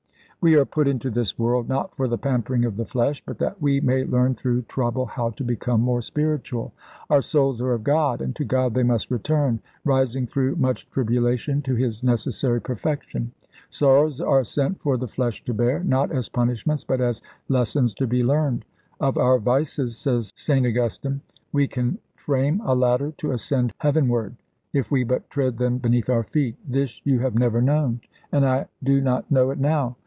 "We are put into this world, not for the pampering of the flesh, but that we may learn through trouble how to become more spiritual. Our souls are of God, and to God they must return, rising through much tribulation to His necessary perfection. Sorrows are sent for the flesh to bear; not as punishments, but as lessons to be learned. Of our vices, says St. Augustine, we can frame a ladder to ascend heavenward, if we but tread them beneath our feet. This you have never known." "And I do not know it now."